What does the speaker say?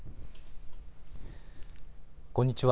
こんにちは。